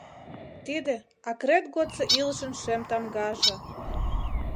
Тиде — акрет годсо илышын шем тамгаже!